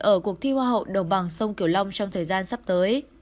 ở cuộc thi hoa hậu đồng bằng sông kiểu long trong thời gian sắp tới